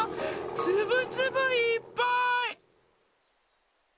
つぶつぶいっぱい！